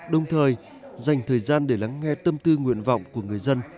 đồng thời dành thời gian để lắng nghe tâm tư nguyện vọng của người dân